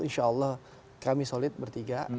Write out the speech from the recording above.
insya allah kami solid bertiga